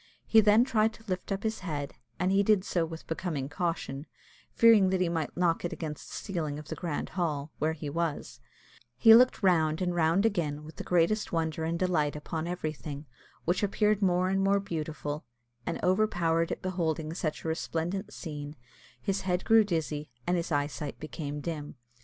He then tried to lift up his head, and he did so with becoming caution, fearing that he might knock it against the ceiling of the grand hall, where he was; he looked round and round again with the greatest wonder and delight upon everything, which appeared more and more beautiful; and, overpowered at beholding such a resplendent scene, his head grew dizzy, and his eyesight became dim.